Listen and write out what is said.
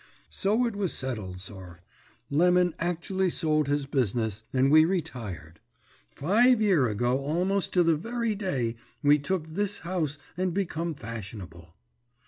"So it was settled, sir. Lemon actually sold his business, and we retired. Five year ago almost to the very day we took this house and become fashionable.